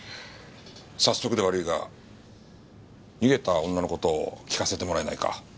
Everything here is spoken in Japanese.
早速で悪いが逃げた女の事を聞かせてもらえないか？